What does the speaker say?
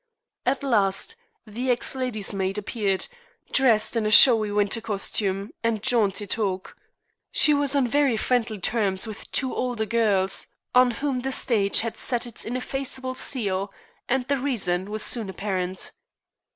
At last the ex lady's maid appeared, dressed in a showy winter costume and jaunty toque. She was on very friendly terms with two older girls, on whom the stage had set its ineffaceable seal, and the reason was soon apparent.